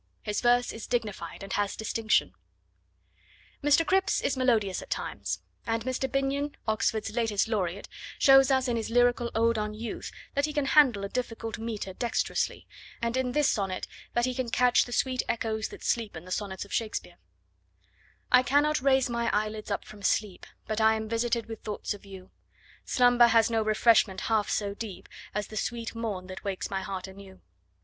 His verse is dignified, and has distinction. Mr. Cripps is melodious at times, and Mr. Binyon, Oxford's latest Laureate, shows us in his lyrical ode on Youth that he can handle a difficult metre dexterously, and in this sonnet that he can catch the sweet echoes that sleep in the sonnets of Shakespeare: I cannot raise my eyelids up from sleep, But I am visited with thoughts of you; Slumber has no refreshment half so deep As the sweet morn, that wakes my heart anew.